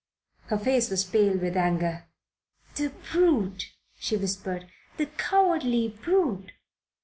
Her face was pale with anger. "The brute!" she whispered. "The cowardly brute!"